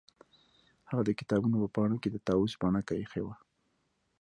هغه د کتابونو په پاڼو کې د طاووس بڼکه ایښې وه